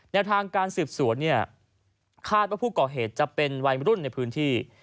แนวทางการสืบสวนเนี่ยคาดว่าผู้ก่อเหตุจะเป็นวัยรุ่นในพื้นที่